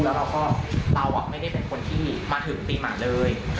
แล้วเราก็เราไม่ได้เป็นคนที่มาถึงปีใหม่เลย